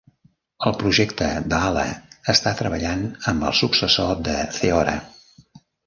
El projecte Daala està treballant amb el successor de Theora.